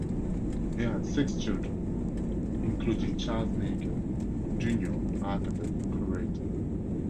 He had six children, including Charles Nagel, Junior an architect and curator.